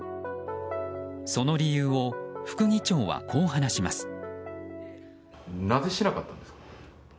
その理由を副議長はこう話します。